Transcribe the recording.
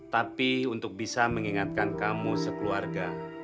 tapi untuk bisa mengingatkan kamu sekeluarga